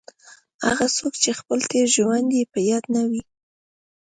هغه څوک چې خپل تېر ژوند یې په یاد نه وي.